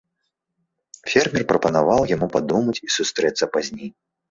Фермер прапанаваў яму падумаць і сустрэцца пазней.